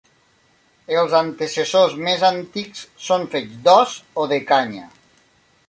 Els antecessors més antics són fets d'os o de canya.